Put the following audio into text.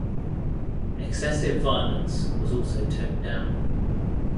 Excessive violence was also toned down.